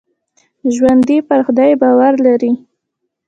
ژوندي پر خدای باور لري